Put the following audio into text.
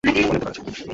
অনেক দোকান আছে।